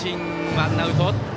ワンアウト。